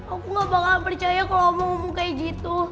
aku gak bakalan percaya kalau omong kayak gitu